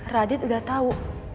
radit gak tahu